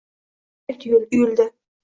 bir tog’dek uyuldi –